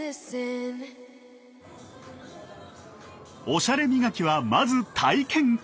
おしゃれ磨きはまず体験から！